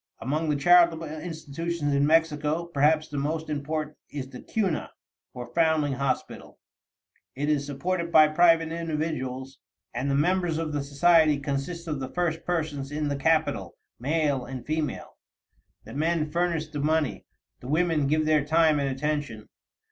Among the charitable institutions in Mexico, perhaps the most important is the Cuna, or Foundling Hospital. It is supported by private individuals, and the members of the society consist of the first persons in the capital, male and female. The men furnish the money; the women give their time and attention.